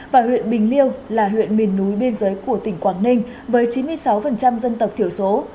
và huyện bình liêu là huyện miền núi biên giới của tỉnh quảng ninh với chín mươi sáu dân tộc thiểu số